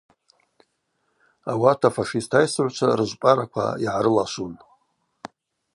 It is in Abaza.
Ауат афашист айсыгӏвчва рыжвпӏараква йгӏарылашвун.